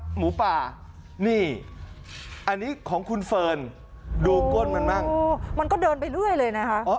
หมูป่านี่อันนี้ของคุณเฟิร์นดูก้นมันมั่งมันก็เดินไปเรื่อยเลยนะคะ